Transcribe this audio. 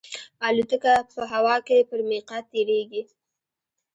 الوتکه په هوا کې پر میقات تېرېږي.